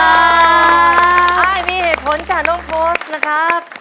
ใช่มีเหตุผลจากน้องโพสต์นะครับ